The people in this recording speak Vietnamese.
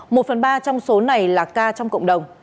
một phần ba trong số này là ca trong cộng đồng